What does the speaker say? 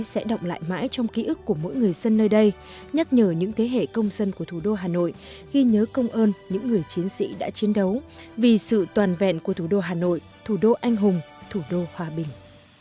và sẽ động lại mãi trong ký ức của mỗi người dân nơi đây nhắc nhở những thế hệ công dân của thủ đô hà nội ghi nhớ công ơn những người chiến sĩ đã chiến đấu vì sự toàn vẹn của thủ đô hà nội thủ đô anh hùng thủ đô hòa bình